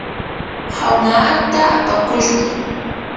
hawnaata apakushqa.